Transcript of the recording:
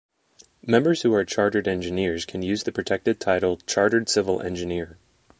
Members who are Chartered Engineers can use the protected title Chartered Civil Engineer.